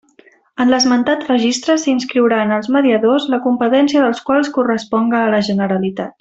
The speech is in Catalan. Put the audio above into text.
En l'esmentat registre s'inscriuran els mediadors la competència dels quals corresponga a la Generalitat.